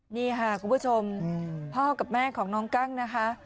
นี่ค่ะคุณผู้ชมพ่อกับแม่ของน้องกั้งนะคะ